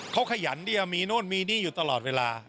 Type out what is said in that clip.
เขาขยันดิอ่ะมีนู้นมีนี้อยู่ตลอดเวลา